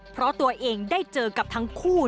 เพราะตัวเองได้เจอกับทั้งคู่